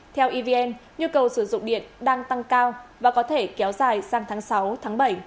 theo evn nhu cầu sử dụng điện đang tăng cao và có thể kéo dài sang tháng sáu tháng bảy